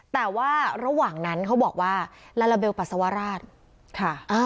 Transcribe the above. แต่ว่าระหว่างนั้นเขาบอกว่าลาลาเบลปัสสาวราชค่ะ